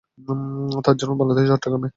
তাঁর জন্ম বাংলাদেশের চট্টগ্রামে।